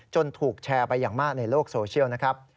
ถูกแชร์ไปอย่างมากในโลกโซเชียลนะครับ